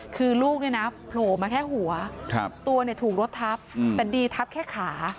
คือลูกเนี่ยนะโผล่มาแค่หัวตัวถูกรถทับแต่ดีทับแค่ขา